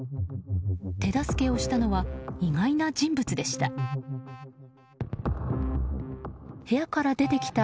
手助けをしたのは意外な人物でした。